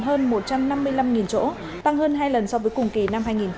hơn một trăm năm mươi năm chỗ tăng hơn hai lần so với cùng kỳ năm hai nghìn một mươi tám